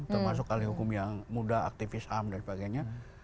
termasuk ahli hukum yang muda aktivis ham dan sebagainya